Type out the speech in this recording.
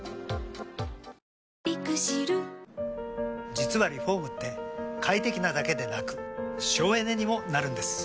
実はリフォームって快適なだけでなく省エネにもなるんです。